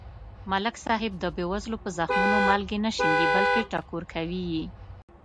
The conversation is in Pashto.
ملک صاحب د بې وزلو په زخمونو مالګې نه شیندي. بلکې ټکور کوي یې.